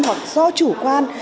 hoặc do chủ quan